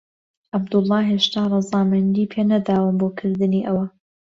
عەبدوڵڵا هێشتا ڕەزامەندیی پێ نەداوم بۆ کردنی ئەوە.